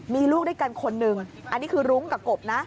มีลูกด้วยกันคนหนึ่งอันนี้คือรุ้งกับกบนะ